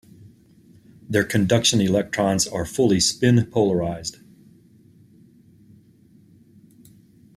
Their conduction electrons are fully spin-polarized.